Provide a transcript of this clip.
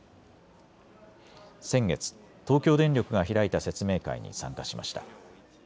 先月、東京電力が開いた説明会に参加しました。